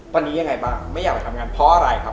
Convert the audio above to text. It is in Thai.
ตอนนี้ยังไงบ้างไม่อยากไปทำงานเพราะอะไรครับ